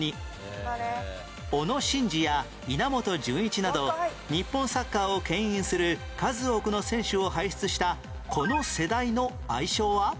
小野伸二や稲本潤一など日本サッカーを牽引する数多くの選手を輩出したこの世代の愛称は？